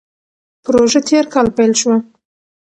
پروژه تېر کال پیل شوه.